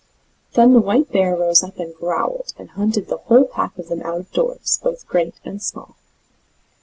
Then the white bear rose up and growled, and hunted the whole pack of them out of doors, both great and small.